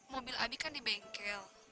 mobil abi kan di bengkel